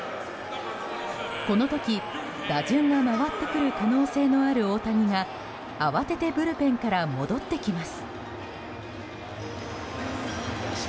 この時、打順が回ってくる可能性のある大谷が慌ててブルペンから戻ってきます。